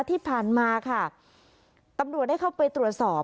ที่ผ่านมาค่ะตำรวจได้เข้าไปตรวจสอบ